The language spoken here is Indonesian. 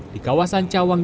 di kawasan cawang jakarta timur